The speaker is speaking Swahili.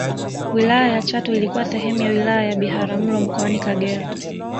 wilaya ya chato ilikuwa sehemu ya wilaya ya biharamulo mkoani kagera